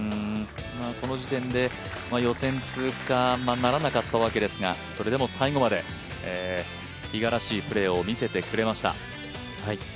この時点で、予選通過ならなかったわけですがそれでも最後まで比嘉らしいプレーを見せてくれました。